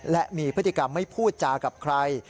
และมีพฤติกรรมไม่พูดจากับใคร